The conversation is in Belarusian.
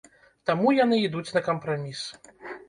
Таму яны ідуць на кампраміс.